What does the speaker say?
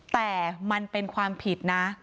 แต่มันเป็นความผิดนะ